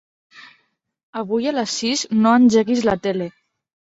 Avui a les sis no engeguis la tele.